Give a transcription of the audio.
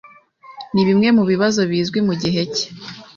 Nibimwe mubibazo bizwi mugihe cye.